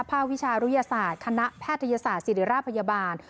วิชารุยศาสตร์คณะแพทยศาสตร์ศิริราชพยาบาล